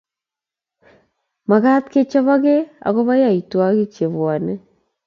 Magaat kechoboge agoba yaotwogik chebwone